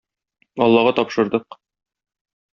Аллага тапшырдык.